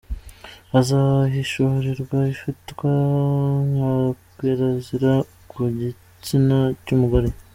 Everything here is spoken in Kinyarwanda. Hazahishurirwa ibifatwa nka kirazira ku gitsina cy’umugore.